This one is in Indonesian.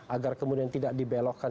agar kemudian tidak dibelokkan